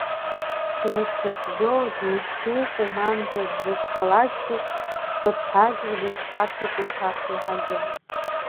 Дмышьҭацәгьоу, дмышьҭеику, мамзар дзакәхалакгьы, дхыҭҳәаазаргьы дшәарҭоуп еиҭах иаҳагьы.